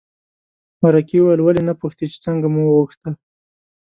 مرکې وویل ولې نه پوښتې چې څنګه مو وغوښته.